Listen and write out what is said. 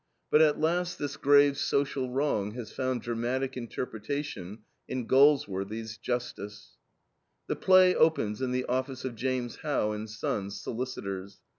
But at last this grave social wrong has found dramatic interpretation in Galworthy's JUSTICE. The play opens in the office of James How and Sons, Solicitors.